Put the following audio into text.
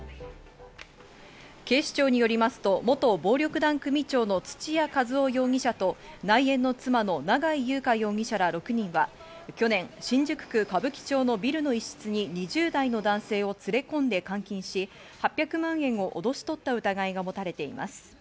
警視庁によりますと、元暴力団組長の土屋和雄容疑者と内縁の妻の永井優香容疑者ら６人は去年、新宿区歌舞伎町のビルの一室に２０代の男性を連れ込んで監禁し、８００万円をおどし取った疑いが持たれています。